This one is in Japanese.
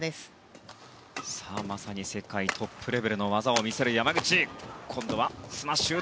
まさに世界トップレベルの技を見せる山口。